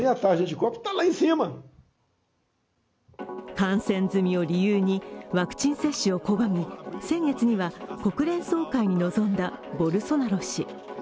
感染済みを理由にワクチン接種を拒み先月には国連総会に臨んだボルソナロ氏。